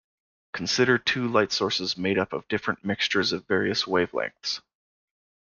Consider two light sources made up of different mixtures of various wavelengths.